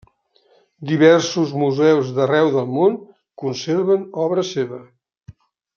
Diversos museus d'arreu del món conserven obra seva.